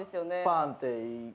パンって。